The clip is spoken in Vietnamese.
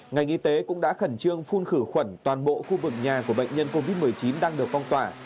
ngành y tế cũng đã khẩn trương phun khử khuẩn toàn bộ khu vực nhà của bệnh nhân covid một mươi chín đang được phong tỏa